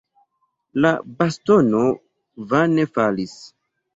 La bastono vane falis.